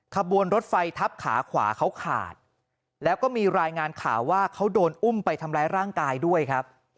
ขบวนรถไฟทับขาขวาเขาขาดแล้วก็มีรายงานข่าวว่าเขาโดนอุ้มไปทำร้ายร่างกายด้วยครับ